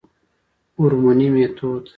هورموني ميتود